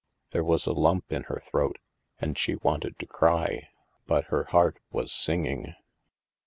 There was a lump in her throat, and she wanted to cry, but her heart was singing.